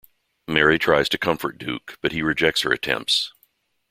Mary tries to comfort Duke, but he rejects her attempts.